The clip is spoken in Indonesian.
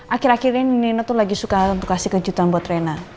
akhir akhir ini nena tuh lagi suka untuk kasih kejutan buat rena